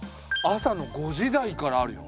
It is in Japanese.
朝の５時台からあるよ。